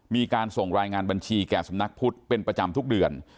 มีการส่งรายงานบัญชีแก่สำนักพุทธเป็นประจำทุกเดือน